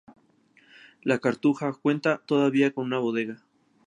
La cartuja cuenta todavía con una bodega.